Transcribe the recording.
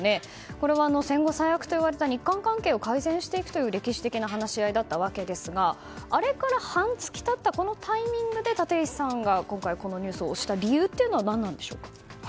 これは戦後最悪といわれた日韓関係を改善していくという、歴史的な話し合いだったわけですがあれから半月経ったこのタイミングで立石さんが今回このニュースを推した理由は何なんでしょうか？